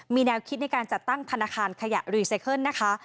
มีแนวคิดในการจัดตั้งธนาคารขยะรีไซเคิลนะคะ